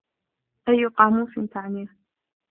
أي قاموس تعنيه؟